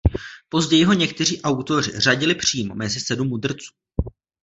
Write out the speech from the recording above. Později ho někteří autoři řadili přímo mezi sedm mudrců.